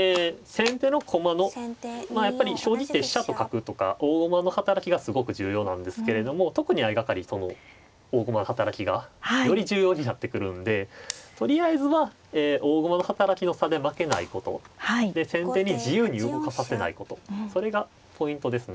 先手の駒のまあやっぱり将棋って飛車と角とか大駒の働きがすごく重要なんですけれども特に相掛かりその大駒の働きがより重要になってくるんでとりあえずは大駒の働きの差で負けないことで先手に自由に動かさせないことそれがポイントですね。